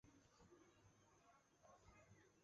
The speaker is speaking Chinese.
科潘是玛雅文明古典时期最重要的城邦之一。